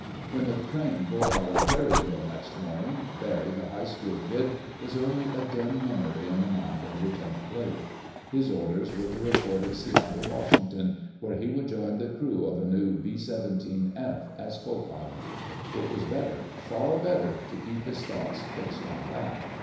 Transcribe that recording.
When the train pulled out of Craryville next morning, Barry the high school kid was only a dim memory in the mind of Lieutenant Blake. His orders were to report at Seattle, Washington, where he would join the crew of a new B 17F as co pilot. It was better, far better, to keep his thoughts fixed on that.